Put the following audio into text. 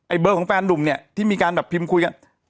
เบอร์ของแฟนนุ่มเนี่ยที่มีการแบบพิมพ์คุยกัน